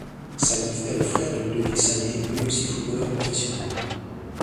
Salif est le frère de Ludovic Sané, lui aussi footballeur professionnel.